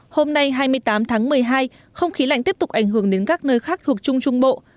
hôm nay hai mươi tám tháng một mươi hai không khí lạnh tiếp tục ảnh hưởng đến các nơi khác thuộc trung trung bộ